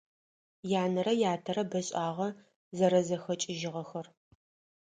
Янэрэ ятэрэ бэшIагъэ зэрэзэхэкIыжьыгъэхэр.